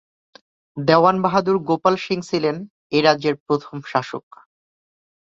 দেওয়ান বাহাদুর গোপাল সিং ছিলেন এই রাজ্যের প্রথম শাসক।